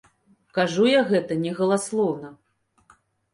Кажу я гэта не галаслоўна.